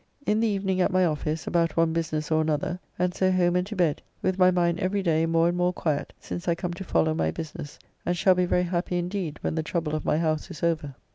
In the evening at my office about one business or another, and so home and to bed, with my mind every day more and more quiet since I come to follow my business, and shall be very happy indeed when the trouble of my house is over.